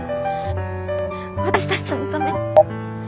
私たちのために。